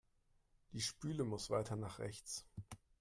Die Spüle muss weiter nach rechts.